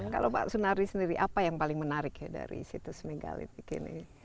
kalau pak sunari sendiri apa yang paling menarik dari situs megalith begini